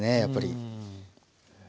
やっぱり。